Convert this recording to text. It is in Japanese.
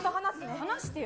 話してよ。